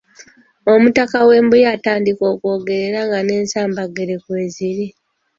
Omutaka w'e Mbuya atandika okwogera era nga n'ensambaggere kw'eziri